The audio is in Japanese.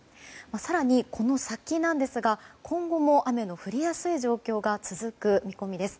更に、この先ですが今後も雨の降りやすい状況が続く見込みです。